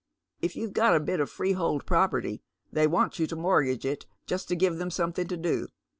If you've got a bit of freehold property, they wants you to mort gage it just to give them something to do.